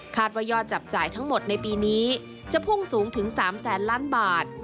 ว่ายอดจับจ่ายทั้งหมดในปีนี้จะพุ่งสูงถึง๓แสนล้านบาท